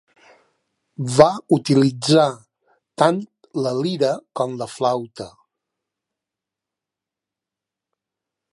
Va utilitzar tant la lira com la flauta.